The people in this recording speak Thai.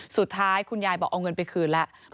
สุดท้ายคุณยายบอกเอาเงินไปคืนแล้ว